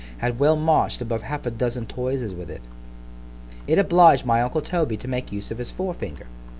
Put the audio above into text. had well march'd above half a dozen toises with it. —It obliged my uncle Toby to make use of his forefinger.